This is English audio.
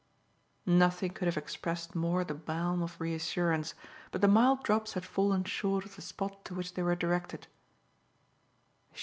Nothing could have expressed more the balm of reassurance, but the mild drops had fallen short of the spot to which they were directed.